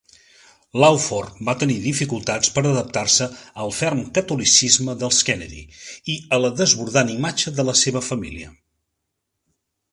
Lawford va tenir dificultats per adaptar-se al ferm catolicisme dels Kennedy i a la desbordant imatge de la seva família.